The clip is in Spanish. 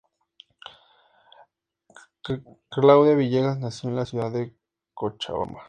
Claudia Villegas nació en la ciudad de Cochabamba.